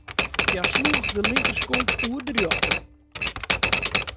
Hja sloech de linkerskonk oer de rjochter.